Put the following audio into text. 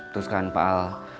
terus kan paal